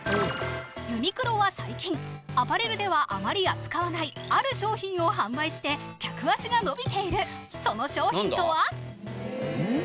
ユニクロは最近アパレルではあまり扱わないある商品を販売して客足が伸びているその商品とは？